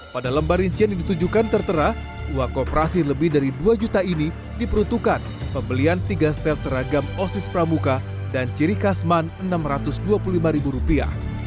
pada lembar rincian yang ditujukan tertera uang kooperasi lebih dari dua juta ini diperuntukkan pembelian tiga setel seragam osis pramuka dan ciri kasman enam ratus dua puluh lima ribu rupiah